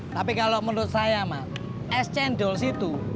tapi kalo menurut saya es cendol sih tuh